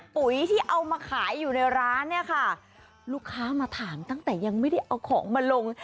ปุ๋ยที่เอามาขายอยู่ในร้านเนี่ยค่ะลูกค้ามาถามตั้งแต่ยังไม่ได้เอาของมาลง